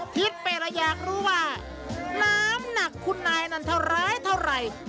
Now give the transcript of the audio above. ทิศเปรยากรู้ว่าน้ำหนักคุณนายนั้นเท่าไรเท่าไร